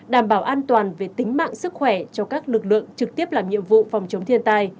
đảm bảo an toàn về tính mạng sức khỏe cho các lực lượng trực tiếp làm nhiệm vụ phòng chống thiên tai